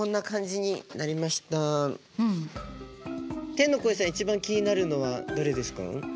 天の声さん一番気になるのはどれですか？